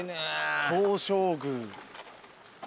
東照宮。